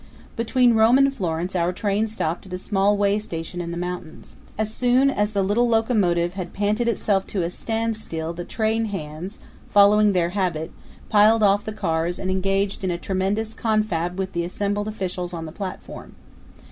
Between Rome and Florence, our train stopped at a small way station in the mountains. As soon as the little locomotive had panted itself to a standstill the train hands, following their habit, piled off the cars and engaged in a tremendous confab with the assembled officials on the platform.